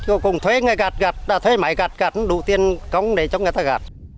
cô cùng thuê người gạt gạt thuê máy gạt gạt đủ tiền công để cho người ta